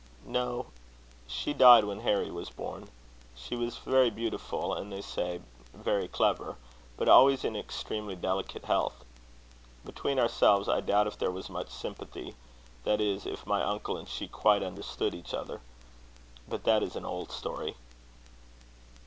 "No. She died when Harry was born. She was very beautiful, and, they say, very clever, but always in extremely delicate health. Between ourselves, I doubt if there was much sympathy that is, if my uncle and she quite understood each other. But that is an old story."